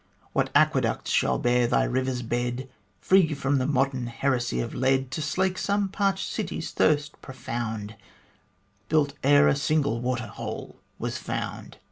What aqueducts shall bear thy river's bed, Free from the modern heresy of lead, To slake some parched city's thirst profound, Built ere a single water hole was found